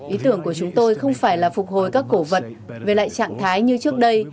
ý tưởng của chúng tôi không phải là phục hồi các cổ vật về lại trạng thái như trước đây